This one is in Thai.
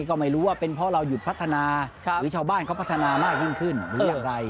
ก็ไม่รู้ว่าเป็นเพราะเราหยุดพัฒนาหรือชาวบ้านเขาพัฒนามากยิ่งขึ้นหรืออย่างไร